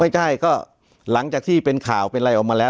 ไม่ใช่ก็หลังจากที่เป็นข่าวเป็นอะไรออกมาแล้ว